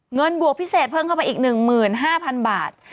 เงินบวกพิเศษเพิ่มเข้าไปอีก๑หมื่น๕๐๐๐บาท